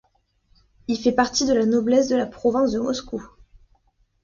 Il fait partie de la noblesse de la province de Moscou.